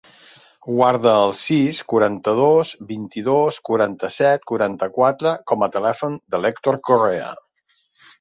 Guarda el sis, quaranta-dos, vint-i-dos, quaranta-set, quaranta-quatre com a telèfon de l'Hèctor Correa.